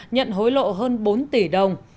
nhận hối lộ hơn bốn tỷ đồng